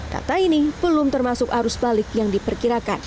kata ini belum termasuk arus balik yang diperkirakan